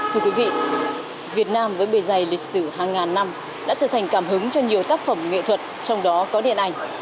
thưa quý vị việt nam với bề dày lịch sử hàng ngàn năm đã trở thành cảm hứng cho nhiều tác phẩm nghệ thuật trong đó có điện ảnh